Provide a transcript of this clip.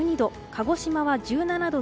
鹿児島は１７度。